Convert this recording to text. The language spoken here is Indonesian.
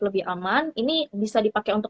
lebih aman ini bisa dipakai untuk